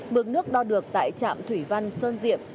mực nước đo được tại trạm thủy văn sơn diệm